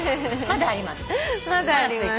まだあります。